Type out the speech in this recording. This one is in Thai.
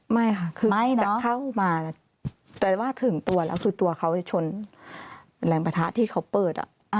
ไม่ค่ะคือจะเข้ามาแต่ว่าถึงตัวแล้วคือตัวเขาจะชนแรงประทะที่เขาเปิด